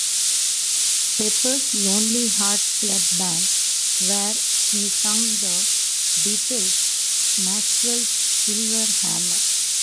Pepper's Lonely Hearts Club Band", where he sang The Beatles' "Maxwell's Silver Hammer".